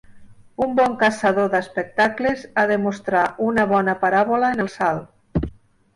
Un bon caçador d'espectacles ha de mostrar una bona paràbola en el salt.